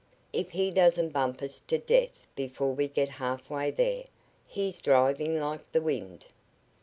"If he doesn't bump us to death before we get half way there. He's driving like the wind."